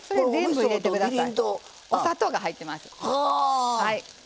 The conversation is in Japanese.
お砂糖が入っています。